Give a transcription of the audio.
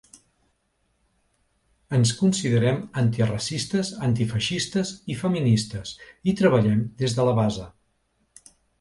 Ens considerem antiracistes, antifeixistes i feministes i treballem des de la base.